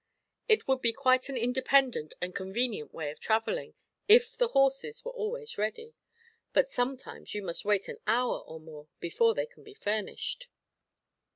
It would be quite an independent and convenient way of traveling, if the horses were always ready; but sometimes you must wait an hour or more before they can be furnished.